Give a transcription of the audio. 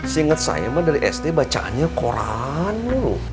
singet saya mah dari sd bacaannya koran loh